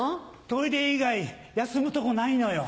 トイレ以外休むとこないのよ。